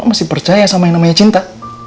masih percaya sama yang namanya cinta